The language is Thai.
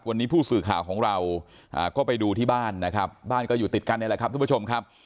วันนี้ผู้สื่อข่าวของเราก็ไปดูที่บ้านนะครับบ้านก็อยู่ติดกันนี่แหละครับทุกผู้ชมครับ